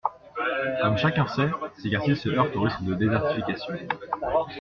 Comme chacun sait, ces quartiers se heurtent au risque de désertification.